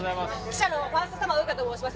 記者のファーストサマーウイカと申します。